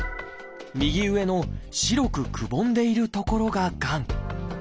右上の白くくぼんでいる所ががん。